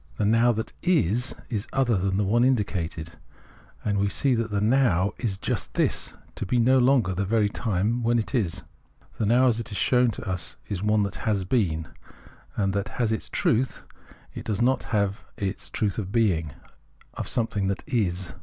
The Now that is, is other than the one indicated, and we see that the Now is just this — to be no longer the very time when it is. The Now as it is shown to us is one that has been, and that is its truth ; it does not have the truth of being, of something that is.